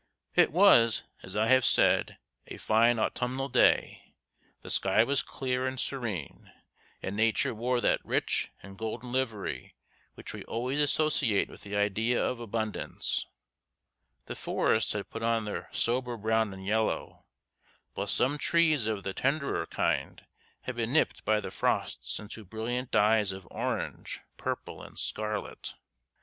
It was, as I have said, a fine autumnal day, the sky was clear and serene, and Nature wore that rich and golden livery which we always associate with the idea of abundance. The forests had put on their sober brown and yellow, while some trees of the tenderer kind had been nipped by the frosts into brilliant dyes of orange, purple, and scarlet.